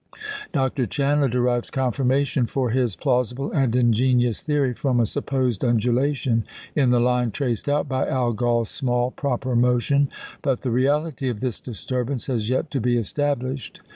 Dr. Chandler derives confirmation for his plausible and ingenious theory from a supposed undulation in the line traced out by Algol's small proper motion; but the reality of this disturbance has yet to be established.